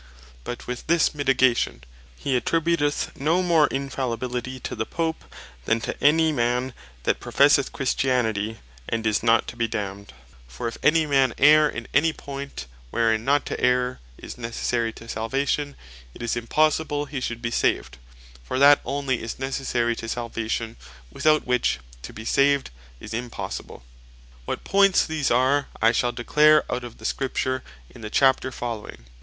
But with this mitigation, he attributeth no more Infallibility to the Pope, than to any man that professeth Christianity, and is not to be damned: For if any man erre in any point, wherein not to erre is necessary to Salvation, it is impossible he should be saved; for that onely is necessary to Salvation, without which to be saved is impossible. What points these are, I shall declare out of the Scripture in the Chapter following.